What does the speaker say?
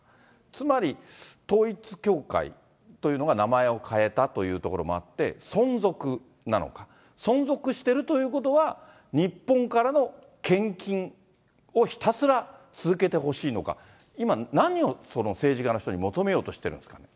つまり統一教会というのが名前を変えたというところもあって、存続なのか、存続してるということは、日本からの献金をひたすら続けてほしいのか、今、何を政治家の人に求めようとしてるんですかね。